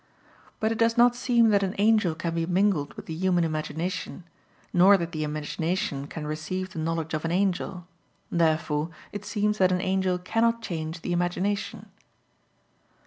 But it does not seem that an angel can be mingled with the human imagination, nor that the imagination can receive the knowledge of an angel. Therefore it seems that an angel cannot change the imagination.